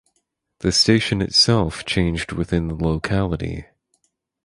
The station itself changed within the locality.